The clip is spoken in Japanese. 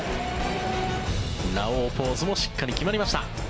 ラオウポーズもしっかり決まりました。